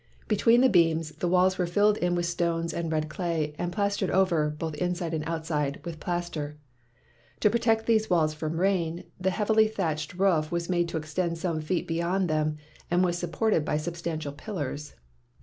Between the beams, the walls were filled in with stones and red clay and plastered over, both inside and out side, with plaster. To protect these walls from rain, the heavily thatched roof was made to extend some feet beyond them and was supported by substantial pillars.